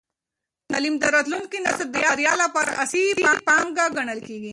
تعلیم د راتلونکي نسل د بریا لپاره اساسي پانګه ګڼل کېږي.